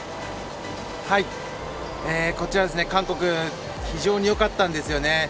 こちら、韓国、非常によかったんですよね。